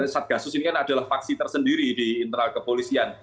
satgasus ini kan adalah faksi tersendiri di internal kepolisian